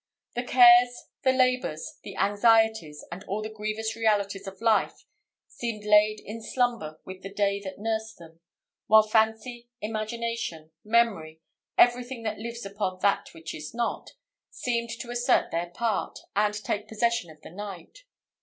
The cares, the labours, the anxieties, and all the grievous realities of life, seemed laid in slumber with the day that nursed them; while fancy, imagination, memory, every thing that lives upon that which is not, seemed to assert their part, and take possession of the night.